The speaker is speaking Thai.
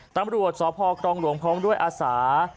ตำรวจสพครองหลวงพร้อมด้วยอาสา